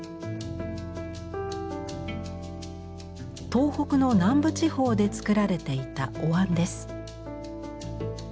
東北の南部地方で作られていたお椀です。